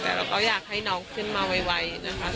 แต่เราก็อยากให้น้องขึ้นมาไวนะคะ